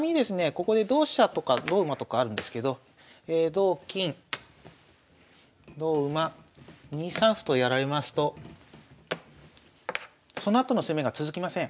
ここで同飛車とか同馬とかあるんですけど同金同馬２三歩とやられますとそのあとの攻めが続きません。